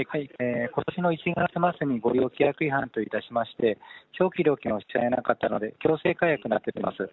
ことしの１月末に、ご利用規約違反としまして、長期料金の支払いがなかったので、強制解約になっております。